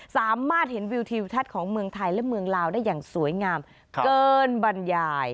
สามารถเห็นวิวทิวทัศน์ของเมืองไทยและเมืองลาวได้อย่างสวยงามเกินบรรยาย